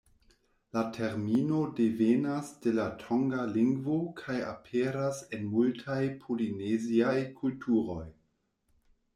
La termino devenas de la tonga lingvo kaj aperas en multaj polineziaj kulturoj.